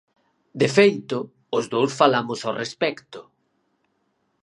De feito, os dous falamos ao respecto.